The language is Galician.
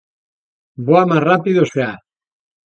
Voa máis rápido, xa.